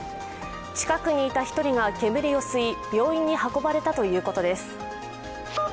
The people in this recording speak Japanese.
近くにいた１人が煙を吸い病院に運ばれたということです。